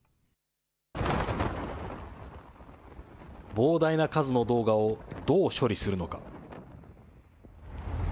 膨大な数の動画をどう処理するのか。